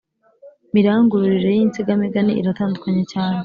mirangururire y’insigamigani iratandukanye cyane